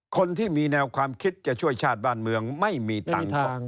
คนที่มีแนวความคิดจะช่วยชาติบ้านเมืองไม่มีตังค์